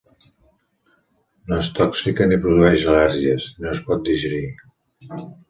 No és tòxica ni produeix al·lèrgies, i no es pot digerir.